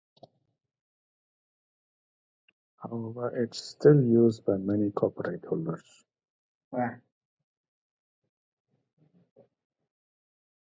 However, it is still used by many copyright holders.